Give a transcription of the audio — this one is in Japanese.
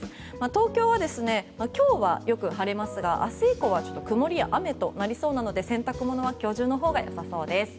東京は、今日はよく晴れますが明日以降は曇りや雨となりそうなので洗濯物は今日中のほうがよさそうです。